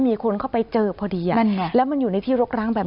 มีคนเข้าไปเจอพอดีแล้วมันอยู่ในที่รกร้างแบบ